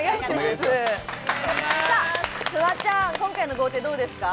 フワちゃん、今回の豪邸どうですか？